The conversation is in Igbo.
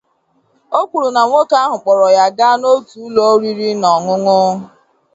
O kwuru na nwoke ahụ kpọrọ ya gaa n’otu ụlọ oriri na ọńụńụ